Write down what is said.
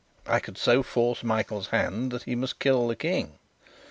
I would so force Michael's hand that he must kill the King.